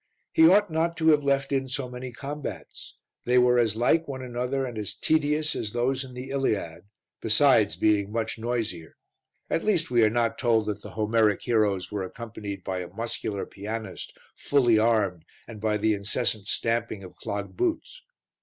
He ought not to have left in so many combats; they were as like one another and as tedious as those in the Iliad, besides being much noisier, at least we are not told that the Homeric heroes were accompanied by a muscular pianist, fully armed, and by the incessant stamping of clogged boots.